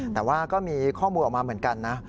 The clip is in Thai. แต่ว่าก็มีข้อมูลออกมาเหมือนกันนะ